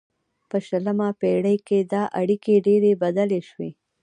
په شلمه پیړۍ کې دا اړیکې ډیرې بدلې شوې